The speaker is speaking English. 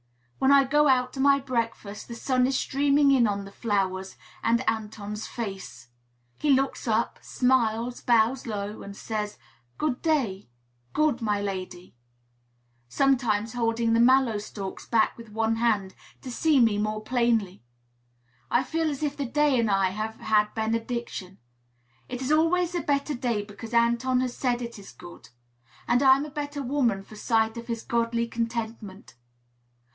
When I go out to my breakfast the sun is streaming in on the flowers and Anton's face. He looks up, smiles, bows low, and says, "Good day, good my lady," sometimes holding the mallow stalks back with one hand, to see me more plainly. I feel as if the day and I had had benediction. It is always a better day because Anton has said it is good; and I am a better woman for sight of his godly contentment.